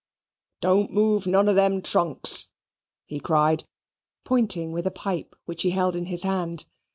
"Don't move none of them trunks," he cried, pointing with a pipe which he held in his hand.